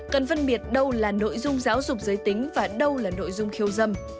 cần phân biệt đâu là nội dung giáo dục giới tính và đâu là nội dung khiêu dâm